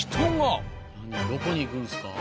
どこに行くんですか？